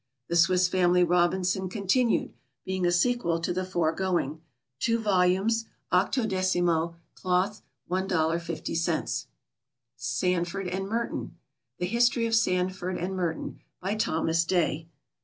The Swiss Family Robinson Continued: being a Sequel to the Foregoing. 2 vols., 18mo, Cloth, $1.50. Sandford and Merton. The History of Sandford and Merton. By THOMAS DAY.